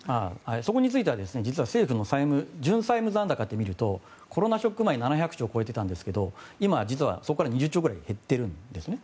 そこについては実は政府の純債務残高って見るとコロナ前って７０兆円を超えていたんですが今、実はそこから２０兆くらい減ってるんですね。